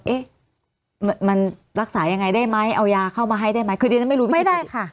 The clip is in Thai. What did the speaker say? เอ๊ะมันรักษายังไงได้ไหมเอายาเข้ามาให้ได้ไหมคือดิฉันไม่รู้จริงค่ะ